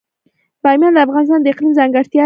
بامیان د افغانستان د اقلیم ځانګړتیا ده.